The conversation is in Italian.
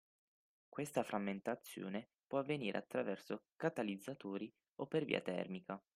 Questa frammentazione può avvenire attraverso catalizzatori o per via termica.